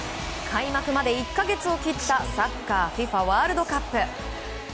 開幕まで１か月を切ったサッカーＦＩＦＡワールドカップ。